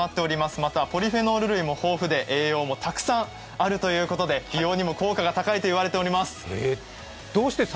また、ポリフェノール類も豊富で栄養もたくさん、美容にも効果が高いといわれています。